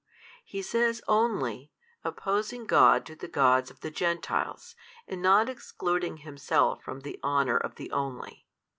He says only, opposing God to the gods of the Gentiles, and not excluding Himself from the honour of the Only.